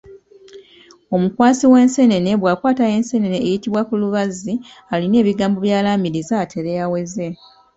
Omukwasi w’enseenene bw’akwata enseenene eyitibwa kulubazzi alina ebigambo by'agiraamiriza atere aweze.